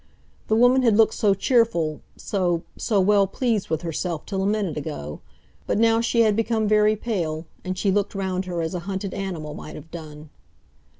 The woman had looked so cheerful, so—so well pleased with herself till a minute ago, but now she had become very pale, and she looked round her as a hunted animal might have done.